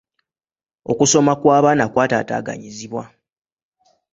Okusoma kw'abaana kw'ataataaganyizibwa.